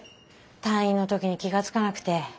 退院の時に気が付かなくて。